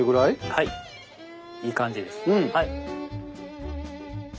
はいいい感じです。